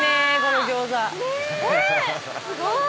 すごーい！